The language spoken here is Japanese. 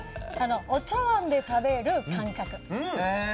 お茶碗で食べる感覚。